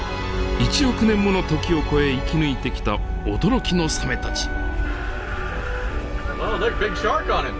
１億年もの時を超え生き抜いてきた驚きのサメたち。